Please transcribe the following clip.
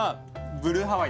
ブルーハワイ？